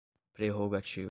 prerrogativa